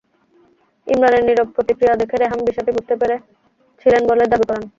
ইমরানের নীরব প্রতিক্রিয়া দেখে রেহাম বিষয়টি বুঝতে পেরেছিলেন বলে দাবি করেন।